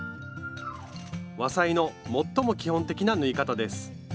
和裁の最も基本的な縫い方です。